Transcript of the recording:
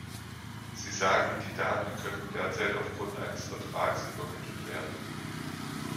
Sie sagen, die Daten könnten derzeit aufgrund eines Vertrags übermittelt werden.